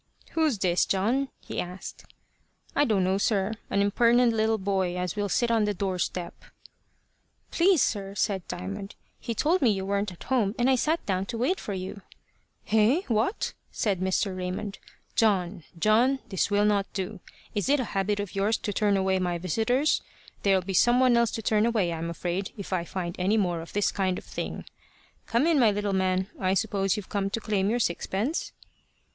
"Who's this, John?" he asked. "I don't know, sir. An imperent little boy as will sit on the doorstep." "Please sir" said Diamond, "he told me you weren't at home, and I sat down to wait for you." "Eh, what!" said Mr. Raymond. "John! John! This won't do. Is it a habit of yours to turn away my visitors? There'll be some one else to turn away, I'm afraid, if I find any more of this kind of thing. Come in, my little man. I suppose you've come to claim your sixpence?"